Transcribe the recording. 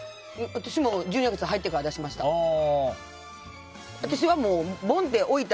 私も１２月入ってから出しました。